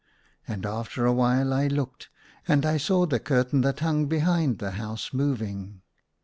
And after a while I looked, and I saw the curtain that hung behind the house moving.